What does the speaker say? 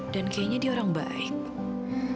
dan kayaknya dia orang yang gak tahu